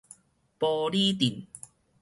埔里鎮